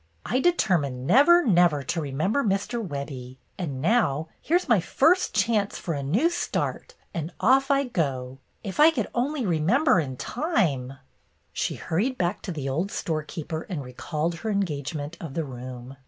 "I determined never, never to remember Mr. Webbie, and now — here 's my first chance for a new start, and off I go 1 If I could only remember in time!'" YOUNG MR. MINTURNE 117 She hurried back to the old storekeeper and recalled her engagement of the room.